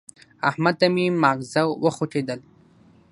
احمد ته مې ماغزه وخوټېدل.